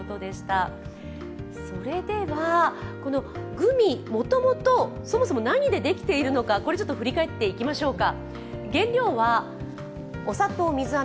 グミ、そもそも何でできているのか振り返っていきましょうか。